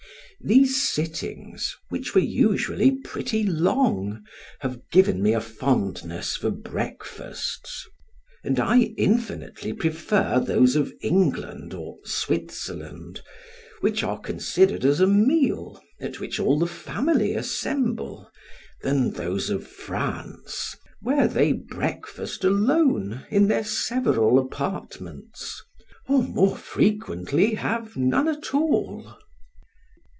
These sittings, which were usually pretty long, have given me a fondness for breakfasts, and I infinitely prefer those of England, or Switzerland, which are considered as a meal, at which all the family assemble, than those of France, where they breakfast alone in their several apartments, or more frequently have none at all.